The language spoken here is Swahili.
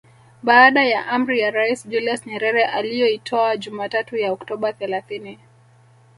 Baada ya amri ya Rais Julius Nyerere aliyoitoa Jumatatu ya Oktoba thelathini